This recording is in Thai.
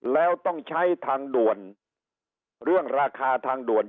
แล้วต้องใช้ทางด่วนเรื่องราคาทางด่วน